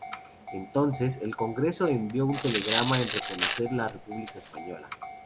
Entonces, el Congreso envió un telegrama en reconocer la República Española.